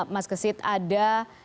mas kesit ada